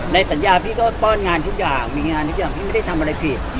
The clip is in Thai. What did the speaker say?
ในสัญญาพี่ก็ป้อนงานทุกอย่างมีงานทุกอย่างพี่ไม่ได้ทำอะไรผิด